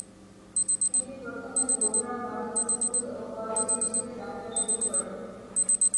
এটি প্রথমে Bogura model school ও কলেজ হিসেবে যাত্রা শুরু করে।